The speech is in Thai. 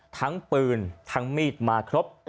ทั้งปืนทั้งมีดมาครบ